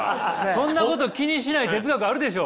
そんなこと気にしない哲学あるでしょ。